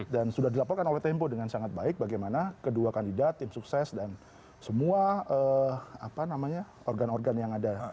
dan sudah dilaporkan oleh tempo dengan sangat baik bagaimana kedua kandidat tim sukses dan semua apa namanya organ organ yang ada